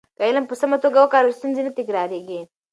که علم په سمه توګه وکارول شي، ستونزې نه تکرارېږي.